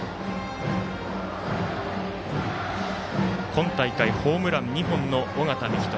今大会ホームラン２本の尾形樹人。